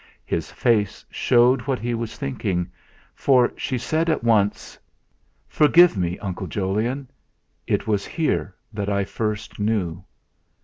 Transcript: His face showed what he was thinking, for she said at once: "Forgive me, Uncle Jolyon; it was here that I first knew."